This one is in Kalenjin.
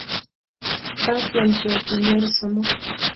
Katyem cho kinyel somok